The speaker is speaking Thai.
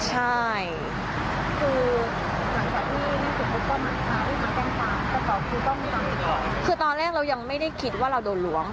ใช่คือคือตอนแรกเรายังไม่ได้คิดว่าเราโดนหลวง